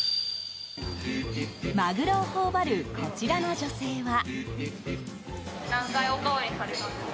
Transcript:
マグロを頬張るこちらの女性は。